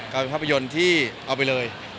ภาพยนตร์ที่เอาไปเลย